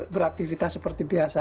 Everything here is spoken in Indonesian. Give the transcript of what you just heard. beraktivitas seperti biasa